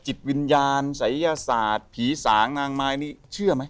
จิตวิญญาณศัยยศาสตร์ผีสางนางไม้นี่เชื่อไหม